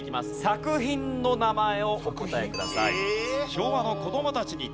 作品の名前をお答えください。